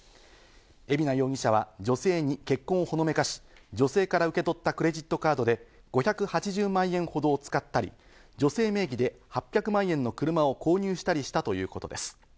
海老名容疑者は女性に結婚をほのめかし、女性から受け取ったクレジットカードで５８０万円ほど使ったり、女性名義で８００万円の車を購入したりしたということです。